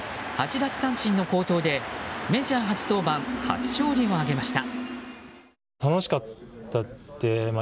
奪三振の好投でメジャー初登板初勝利を挙げました。